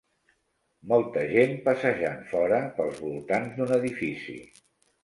Molta gent passejant fora pels voltants d'un edifici.